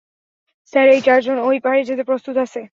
Sir, এই চারজন ওই পাড়ে যেতে প্রস্তুত আছে।